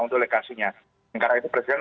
untuk legasinya karena ini presiden